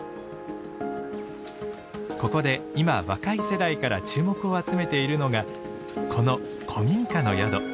ここで今若い世代から注目を集めているのがこの古民家の宿。